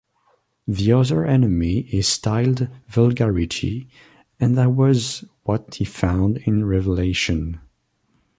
The other enemy he styled "vulgarity" and that was what he found in Revelation.